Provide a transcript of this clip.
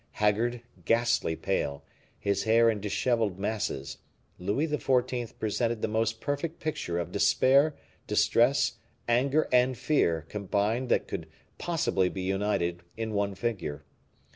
Haggard, ghastly pale, his hair in disheveled masses, Louis XIV. presented the most perfect picture of despair, distress, anger and fear combined that could possibly be united in one figure.